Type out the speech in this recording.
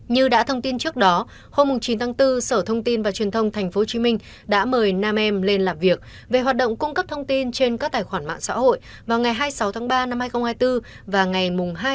như đã thông tin trước đó hôm chín bốn sở thông tin và truyền thông tp hcm đã mời nam em lên làm việc về hoạt động cung cấp thông tin trên các tài khoản mạng xã hội vào ngày hai mươi sáu ba hai nghìn hai mươi bốn và ngày hai bốn hai nghìn hai mươi bốn